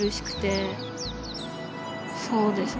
そうです